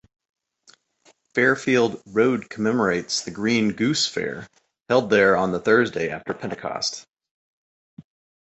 Fairfield Road commemorates the Green Goose fair, held there on the Thursday after Pentecost.